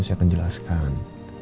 saya akan jelaskan